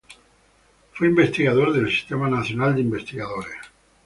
Fue investigador del Sistema Nacional de Investigadores.